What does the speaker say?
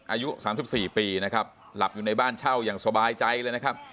อายุ๓๔ปีนะครับหลับอยู่ในบ้านเช่าอย่างสบายใจเลยนะครับ